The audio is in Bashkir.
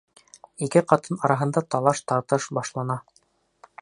Ике ҡатын араһында талаш-тартыш башлана.